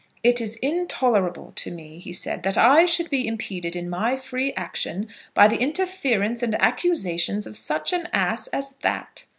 "It is intolerable to me," he said, "that I should be impeded in my free action by the interference and accusations of such an ass as that."